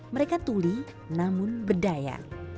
mereka tuli namun berdaya